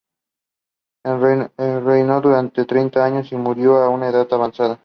Reinó durante treinta años y murió a una edad avanzada.